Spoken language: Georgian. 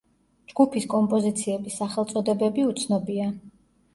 ჯგუფის კომპოზიციების სახელწოდებები უცნობია.